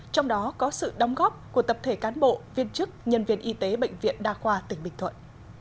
trong đó có sự đóng góp của tập thể cán bộ viên chức nhân viên y tế bệnh viện đa khoa tỉnh bình thuận